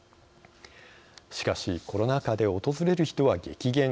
しかしコロナ禍で訪れる人は激減。